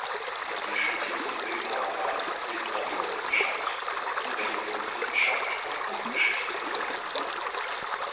Sie studierte Bildhauerei, Literaturwissenschaft, Religionswissenschaft und Kunstgeschichte in Berlin.